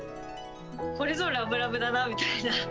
これぞラブラブだなみたいな。